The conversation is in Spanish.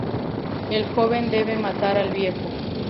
El joven debe matar al viejo...